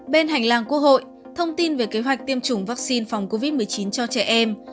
bên hành lang quốc hội thông tin về kế hoạch tiêm chủng vaccine phòng covid một mươi chín cho trẻ em